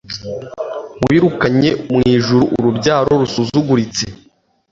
Wirukanye mu Ijuru urubyaro rusuzuguritse